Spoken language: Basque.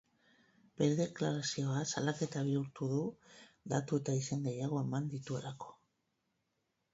Bere deklarazioa salaketa bihurtu du datu eta izen gehiago eman dituelako.